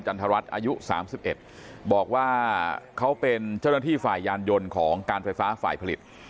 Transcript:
จันทรรศอายุสามสิบเอ็ดบอกว่าเขาเป็นเจ้าหน้าที่ฝ่ายยานยนต์ของการไฟฟ้าฝ่ายผลิต